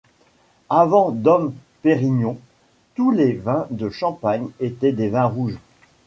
Avant Dom Pérignon, tous les vins de Champagne étaient des vins rouges.